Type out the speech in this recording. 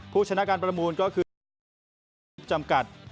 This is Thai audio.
ผู้ชนะการประมูลก็คือจำกัด